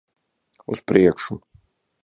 Uz priekšu!